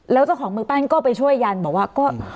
แล้วเจ้าของมือปั้นก็ไปช่วยยันบอกว่าก็